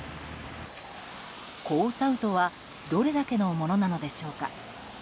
黄砂雨とはどれだけのものなのでしょうか。